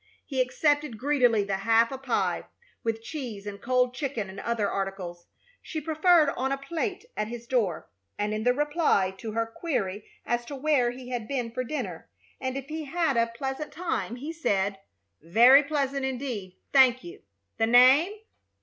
He accepted greedily the half a pie, with cheese and cold chicken and other articles, she proffered on a plate at his door, and in the reply to her query as to where he had been for dinner, and if he had a pleasant time, he said: "Very pleasant, indeed, thank you! The name?